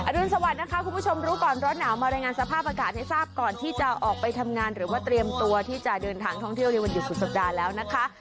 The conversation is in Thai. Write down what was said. รุนสวัสดินะคะคุณผู้ชมรู้ก่อนร้อนหนาวมารายงานสภาพอากาศให้ทราบก่อนที่จะออกไปทำงานหรือว่าเตรียมตัวที่จะเดินทางท่องเที่ยวในวันหยุดสุดสัปดาห์แล้วนะคะ